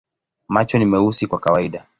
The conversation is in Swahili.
Macho ni meusi kwa kawaida.